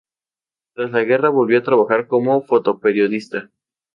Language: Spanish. Tras la Guerra volvió a trabajar como fotoperiodista.